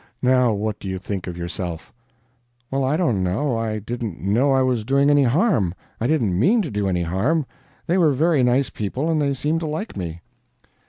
Now what do you think of yourself?" "Well, I don't know. I didn't know I was doing any harm; I didn't MEAN to do any harm. They were very nice people, and they seemed to like me."